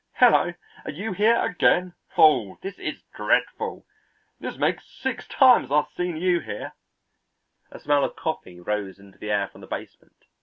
"Hello! are you here again?" "Oh, this is dreadful!" "This makes six times I've seen you here." A smell of coffee rose into the air from the basement.